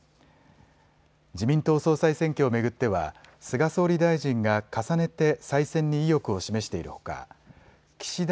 自民党総裁選挙を巡っては菅総理大臣が重ねて再選に意欲を示しているほか岸田